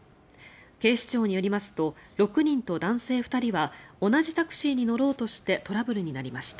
警視庁によりますと６人と男性２人は同じタクシーに乗ろうとしてトラブルになりました。